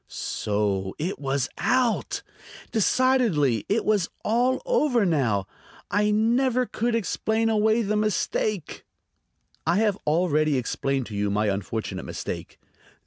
So it was out! Decidedly it was all over now. I never could explain away the mistake. "I have already explained to you my unfortunate mistake.